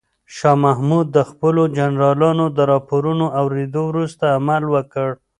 شاه محمود د خپلو جنرالانو د راپورونو اورېدو وروسته عمل وکړ.